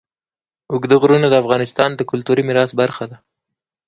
اوږده غرونه د افغانستان د کلتوري میراث برخه ده.